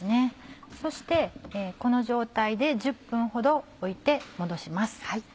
そしてこの状態で１０分ほど置いて戻します。